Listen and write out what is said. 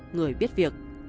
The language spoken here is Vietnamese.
người biết việc